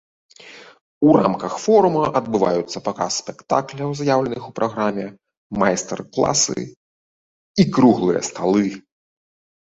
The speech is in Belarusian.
У рамках форума адбываюцца паказ спектакляў, заяўленых у праграме, майстар-класы і круглыя сталы.